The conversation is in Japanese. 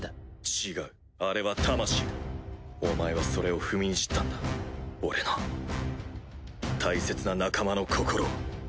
違うあれは魂だお前はそれを踏みにじったんだ俺の大切な仲間の心を。